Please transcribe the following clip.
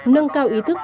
nâng cao ý thức